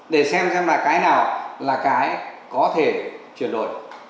để xem xem là cái nào là cái có thể chuyển đổi